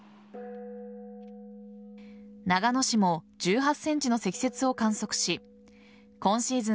長野市も１８ｃｍの積雪を観測し今シーズン